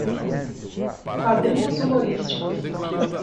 Quadrinhos humorísticos